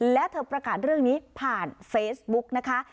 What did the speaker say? และเธอประกาศเรื่องนี้ผ่านเฟซบุ๊กนะคะ